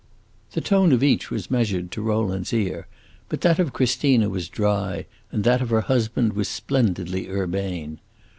The tone of each was measured, to Rowland's ear; but that of Christina was dry, and that of her husband was splendidly urbane.